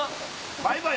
バイバイ！